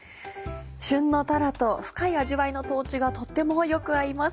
旬のたらと深い味わいの豆がとってもよく合います。